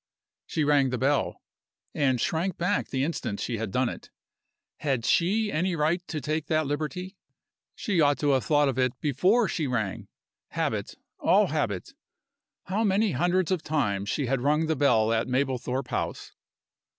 She rang the bell and shrank back the instant she had done it. Had she any right to take that liberty? She ought to have thought of it before she rang. Habit all habit. How many hundreds of times she had rung the bell at Mablethorpe House!